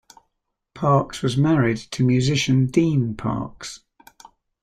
Parks was married to musician Dean Parks.